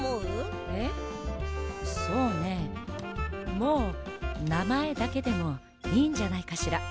もうなまえだけでもいいんじゃないかしら。